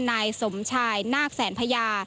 นายสมชายนาคแสนพญา